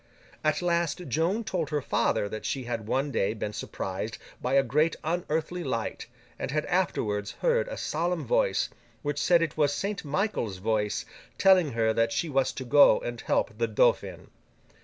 At last, Joan told her father that she had one day been surprised by a great unearthly light, and had afterwards heard a solemn voice, which said it was Saint Michael's voice, telling her that she was to go and help the Dauphin.